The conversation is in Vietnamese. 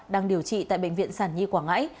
đang điều trị tại bệnh viện sản nhi quảng ngãi